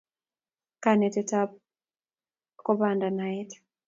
Kanetet ab ko pandab naet